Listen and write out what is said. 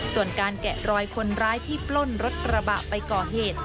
ส่วนการแกะรอยคนร้ายที่ปล้นรถกระบะไปก่อเหตุ